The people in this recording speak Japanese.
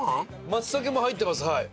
松茸も入ってます。